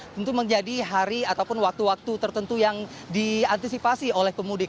tentu menjadi hari ataupun waktu waktu tertentu yang diantisipasi oleh pemudik